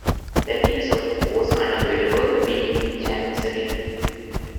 That is, of course, unavoidable, being in Chancery.